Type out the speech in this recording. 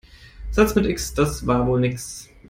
Satz mit X, das war wohl nix.